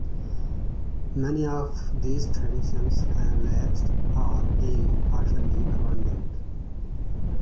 Many of these traditions have lapsed or been partially abandoned.